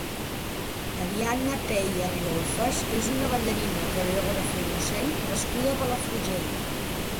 Ariadna Peya Rigolfas és una ballarina, coreògrafa i docent nascuda a Palafrugell.